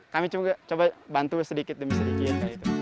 kami coba bantu sedikit demi sedikit